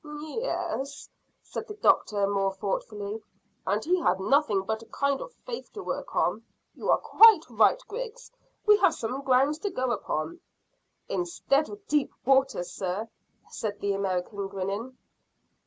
"Yes," said the doctor, more thoughtfully, "and he had nothing but a kind of faith to work on. You are quite right, Griggs; we have some grounds to go upon." "Instead of deep water, sir," said the American, grinning.